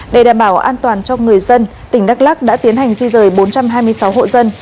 để đảm bảo an toàn cho người dân tỉnh đắk lắc đã tiến hành di rời bốn trăm hai mươi sáu hộ dân